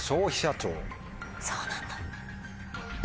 そうなんだ。